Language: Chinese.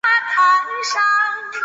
其唯一的姊妹舰为罗恩号。